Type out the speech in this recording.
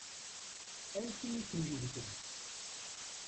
Anti i kem-yewwten?